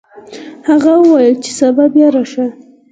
هغه وویل چې سبا بیا راشه.